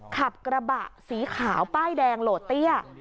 ขับกระบะสีขาวป้ายแดงโหลดเตี้ย